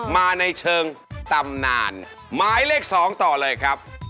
มาในเชิงตำนานหมายเลข๒ต่อเลยครับ